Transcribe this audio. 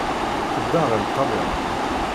Tedda ɣer Ṭṭalyan.